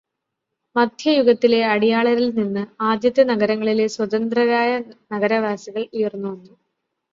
മദ്ധ്യയുഗത്തിലെ അടിയാളരിൽനിന്നു് ആദ്യത്തെ നഗരങ്ങളിലെ സ്വതന്ത്രരായ നഗരവാസികൾ ഉയർന്നുവന്നു.